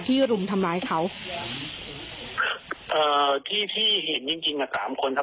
รุมทำร้ายเขาเอ่อที่ที่เห็นจริงจริงอ่ะสามคนครับ